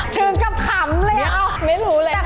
ถึงกับขำเลยไม่รู้เลย